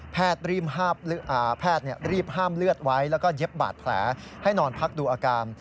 รีบแพทย์รีบห้ามเลือดไว้แล้วก็เย็บบาดแผลให้นอนพักดูอาการ